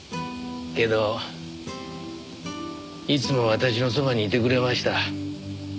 けどいつも私のそばにいてくれました。